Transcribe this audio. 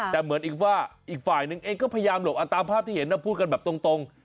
แต่เหมือนอีกว่าอีกฝ่ายหนึ่งเองก็พยายามหลบตามภาพที่เห็นนะพูดกันแบบตรง